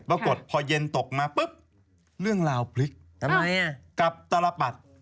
ปรากฏพอเย็นตกมาปุ๊บเรื่องราวพลิกทำไมอ่ะกับตลปัด